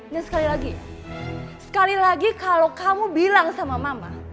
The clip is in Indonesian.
dan sekali lagi sekali lagi kalau kamu bilang sama mama